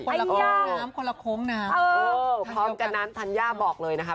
คนละโค้งน้ำคนละโค้งน้ำพร้อมกันนั้นธัญญาบอกเลยนะคะ